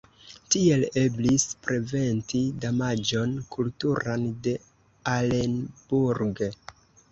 Tiel eblis preventi damaĝon kulturan de Alenburg.